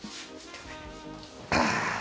ああ！